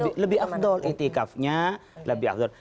lebih afdol itikafnya lebih afdol